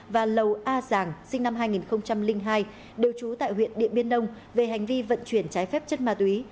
và lầu a giàng sinh năm hai nghìn hai đều trú tại huyện điện biên đông về hành vi vận chuyển trái phép chất ma túy